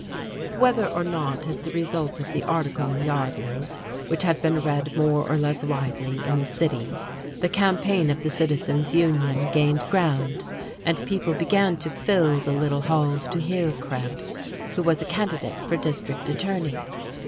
Whether or not as the result of the article in Yardley's, which had been read more or less widely in the city, the campaign of the Citizens Union gained ground, and people began to fill the little halls to hear Krebs, who was a candidate for district attorney.